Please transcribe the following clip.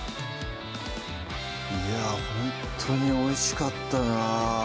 いやぁほんとにおいしかったな